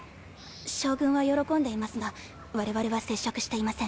将軍は喜んでいますが我々は接触していません。